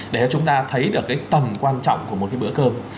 để cho chúng ta thấy được cái tầm quan trọng của một cái bữa cơm